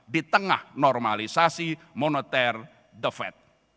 di tengah normalisasi moneter the fed